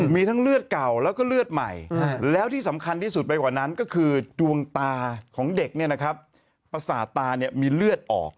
พี่เด็กเนี่ยนะครับประสาทตาเนี่ยมีเลือดออก